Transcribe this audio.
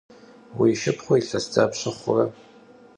Vui şşıpxhur yilhes dapşe xhure?